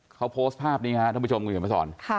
เขาโพสท์ภาพนี้ครับท่านผู้ชมกลุ่มข้อมูลภัยสอน